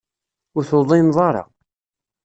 Ur tuḍineḍ ara.